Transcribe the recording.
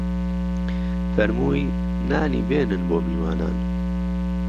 فەرمووی: نانی بێنن بۆ میوانان